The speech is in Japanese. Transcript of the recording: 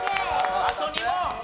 あと２問！